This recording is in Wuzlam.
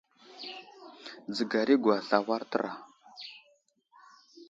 Dzəgar i aŋgwasl awar təra.